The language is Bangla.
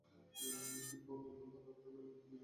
কিন্তু অন্যের ভুল ধরার আগে নিজের ভুলের দিকে নজর দিতে হবে।